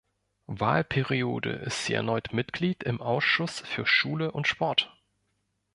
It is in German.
Wahlperiode ist sie erneut Mitglied im Ausschuss für Schule und Sport.